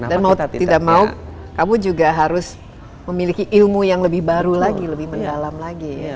dan mau tidak mau kamu juga harus memiliki ilmu yang lebih baru lagi lebih mendalam lagi